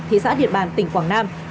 thị xã điện bàn tỉnh quảng nam